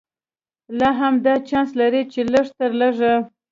لا هم دا چانس لري چې لږ تر لږه.